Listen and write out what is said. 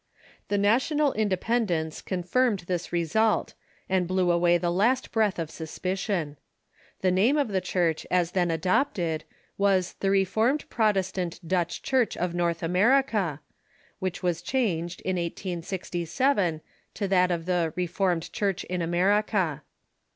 The na tional independence confirmed this result, and blew away the last breath of suspicion. The name of the Church as then adopted was the Reformed Protestant Dutch Church of North America, which was changed, in 1867, to that of the Reformed Church in America.